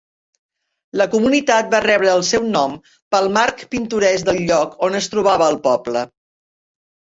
La comunitat va rebre el seu nom pel marc pintoresc del lloc on es trobava el poble.